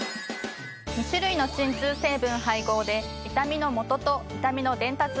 ２種類の鎮痛成分配合で痛みのもとと痛みの伝達をダブルブロック。